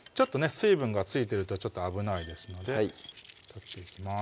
水分が付いてると危ないですので取っていきます